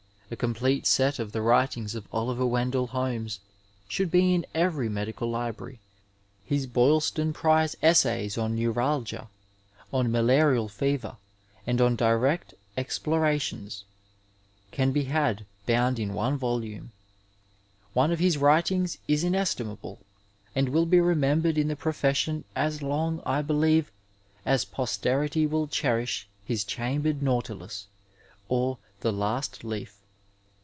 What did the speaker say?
A com plete set of the writings of Oliver Wendell Holmes should be in every medical library. His Boylston prize essajB on Neuralgia, on Malarial Fever, and on Direct Ezptora tions can be had bound in one volume. One of his writings is inestimable, and will be remembered in the profesnon as long, I believe, as posterity will cherish his Chambered Nautilus or the Last Leaf.